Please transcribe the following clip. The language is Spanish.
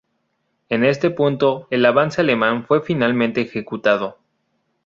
En este punto, el avance alemán fue finalmente ejecutado.